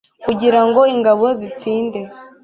kugira ngo ingabo zitsinde